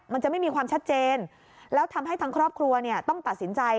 มันจะไม่มีความชัดเจนแล้วทำให้ทางครอบครัวเนี่ยต้องตัดสินใจ